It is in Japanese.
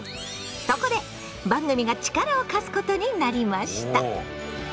そこで番組が力を貸すことになりました！